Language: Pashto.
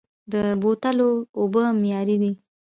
د بوتلو اوبه معیاري دي؟